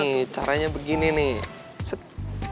nih caranya begini nih